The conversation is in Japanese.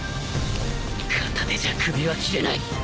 片手じゃ首は斬れない